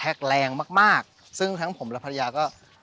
ชื่องนี้ชื่องนี้ชื่องนี้ชื่องนี้ชื่องนี้ชื่องนี้